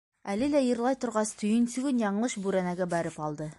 Эле лә йырлай торғас, төйөнсөгөн яңылыш бүрәнәгә бәреп алды.